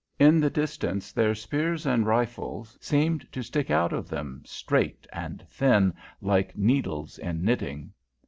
In the distance their spears and rifles seemed to stick out of them, straight and thin, like needles in knitting.